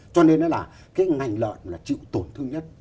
cho nên nó là cái ngành lợn là chịu tổn thương nhất